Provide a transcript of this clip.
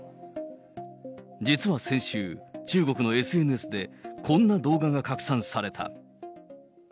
実は先週、中国のＳＮＳで、こんな動画が拡散された。